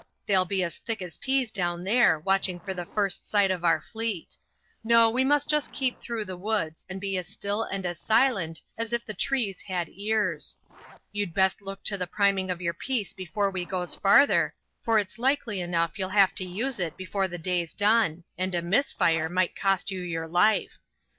"They'll be as thick as peas down there, watching for the first sight of our fleet. No, we must just keep through the woods and be as still and as silent as if the trees had ears. You'd best look to the priming of yer piece before we goes further, for it's likely enough you'll have to use it before the day's done, and a miss fire might cost you yer life.